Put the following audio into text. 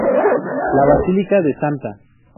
La basílica de Sta.